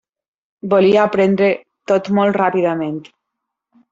Volia aprendre tot molt ràpidament.